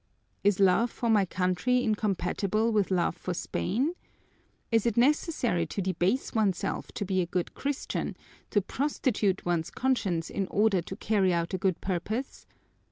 Is love for my country incompatible with love for Spain? Is it necessary to debase oneself to be a good Christian, to prostitute one's conscience in order to carry out a good purpose?